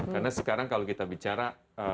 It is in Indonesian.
karena sekarang kalau kita bicara